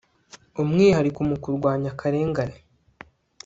umwihariko mu kurwanya akarengane